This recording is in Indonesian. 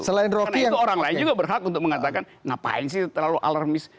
karena itu orang lain juga berhak untuk mengatakan ngapain sih terlalu alarmis